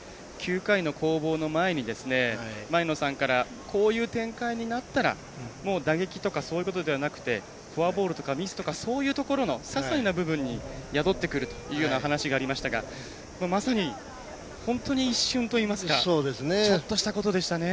９回の攻防の前に前野さんからこういう展開になったら打撃とかそういうことではなくてフォアボールとかミスとかそういうところのささいなミスに宿ってくるというような話がありましたがまさに、本当に一瞬といいますかちょっとしたことでしたね。